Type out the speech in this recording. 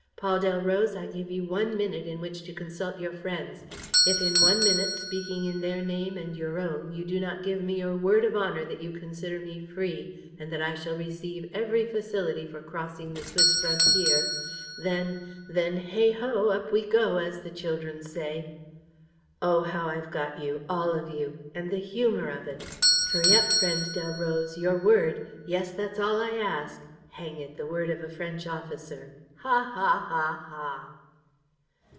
... Paul Delroze, I give you one minute in which to consult your friends. If in one minute, speaking in their name and your own, you do not give me your word of honor that you consider me free and that I shall receive every facility for crossing the Swiss frontier, then ... then heigh ho, up we go, as the children say! ... Oh, how I've got you, all of you! And the humor of it! Hurry up, friend Delroze, your word! Yes, that's all I ask. Hang it, the word of a French officer! Ha, ha, ha, ha!"